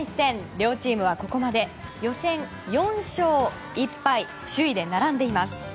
両チームはここまで予選４勝１敗、首位で並んでいます。